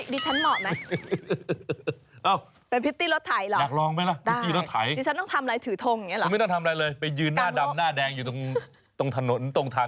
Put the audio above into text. เดี๋ยวเขาก็มาจ้างดิฉันหรอกพิธีไม่ต้องทันไถ